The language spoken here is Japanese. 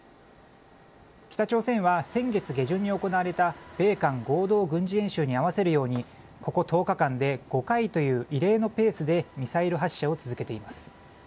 北朝鮮は先月下旬に行われた米韓合同軍事演習に合わせるように、ここ１０日間で５回という異例のペースでミサイル発射を続けています。